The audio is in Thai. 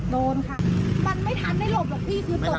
โดนค่ะมันไม่ทันได้หลบหรอกพี่คือตก